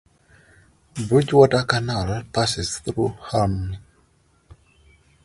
The Bridgewater Canal passes through Hulme.